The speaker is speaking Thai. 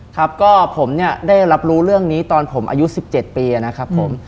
ครับก็ผมเนี่ยได้รับรู้เรื่องนี้ตอนผมอายุ๑๗ปีนะครับผม